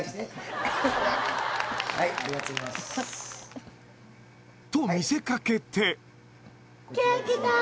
はいありがとうございますと見せかけて・